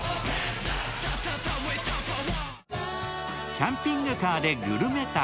「キャンピングカーグルメ旅」